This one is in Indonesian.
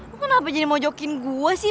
lu kenapa jadi mojokin gua sih